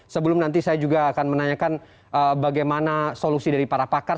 sebelum nanti saya juga akan menanyakan bagaimana solusi dari para pakar